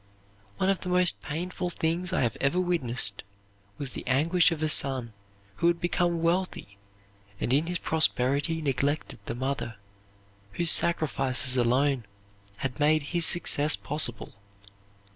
One of the most painful things I have ever witnessed was the anguish of a son who had become wealthy and in his prosperity neglected the mother, whose sacrifices alone had made his success possible.